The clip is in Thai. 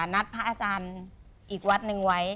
นัดพระอาจารย์อีกวัดหนึ่งไว้